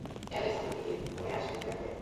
Alex, আপনি কি ভিতরে আসবেন, দয়া করে?